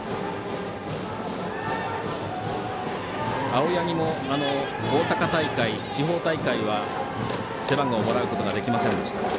青柳も大阪大会、地方大会は背番号をもらうことができませんでした。